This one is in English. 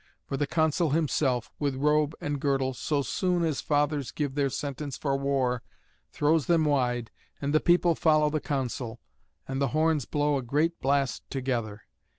For the Consul himself, with robe and girdle, so soon as the fathers give their sentence for war, throws them wide, and the people follow the Consul, and the horns blow a great blast together.